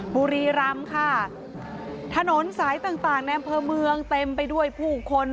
บุรีรำค่ะถนนสายต่างต่างในอำเภอเมืองเต็มไปด้วยผู้คน